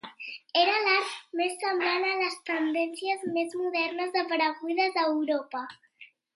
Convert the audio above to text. Era l'art més semblant a les tendències més modernes aparegudes a Europa.